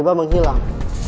agak takut gakut juga dong